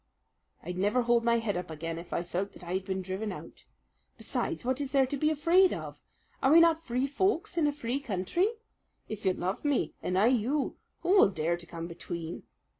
"I'd never hold my head up again if I felt that I had been driven out. Besides, what is there to be afraid of? Are we not free folks in a free country? If you love me, and I you, who will dare to come between?"